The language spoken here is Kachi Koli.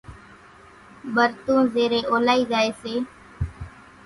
ٻرتون زيرين اولائي زائي سي،